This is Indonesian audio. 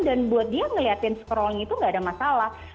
dan buat dia ngeliatin scrolling itu nggak ada masalah